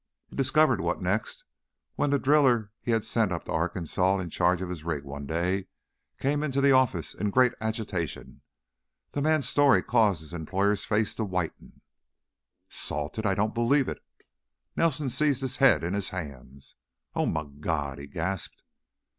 He discovered what next when the driller he had sent up to Arkansas in charge of his rig one day came into the office in great agitation. The man's story caused his employer's face to whiten. "Salted! I don't believe it." Nelson seized his head in his hands. "Oh, my God!" he gasped.